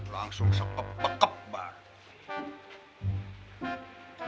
langsung sepepekep mbak